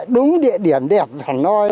đúng địa điểm đẹp hà nội